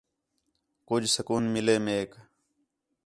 کُجھ سکون مِلے میک